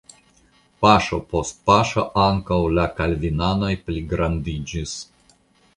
Paŝo post paŝo ankaŭ la kalvinanoj pligrandiĝis.